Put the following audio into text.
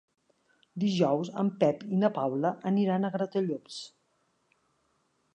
Dijous en Pep i na Paula aniran a Gratallops.